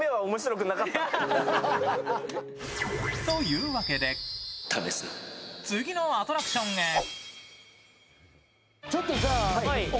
というわけで次のアトラクションへ。